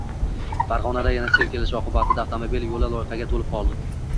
Farg‘onada yana sel kelishi oqibatda avtomobil yo‘li loyqaga to‘lib qoldi